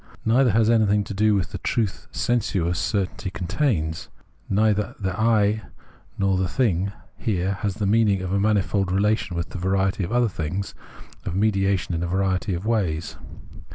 Neither has anything to do with the truth sensuous certainty contains : neither the I nor the thing has here the meaning of a manifold relation with a variety of other things, of mediation in a variety of ways.